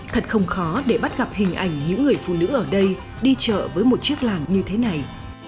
thật không khó để bắt gặp hình ảnh những người phụ nữ ở đây đi chợ với một chiếc làng như thế này